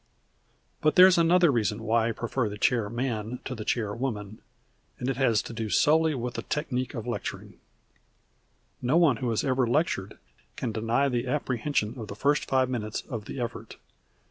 But there is another reason why I prefer the chair man to the chair woman, and it has to do solely with the technic of lecturing. No one who has ever lectured can deny the apprehension of the first five minutes of the effort.